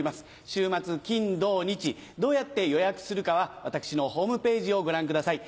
週末金土日どうやって予約するかは私のホームページをご覧ください。